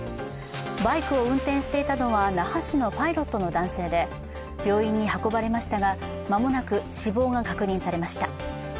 バイクを運転していたのは那覇市のパイロットの男性で、病院に運ばれましたが、間もなく死亡が確認されました。